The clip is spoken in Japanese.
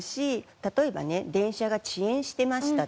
例えばね「電車が遅延してました」って。